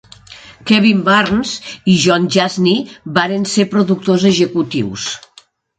Kevin Burns i Jon Jashni varen ser productors executius.